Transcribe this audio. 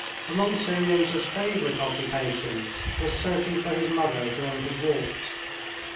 Among Seryozha's favorite occupations was searching for his mother during his walks.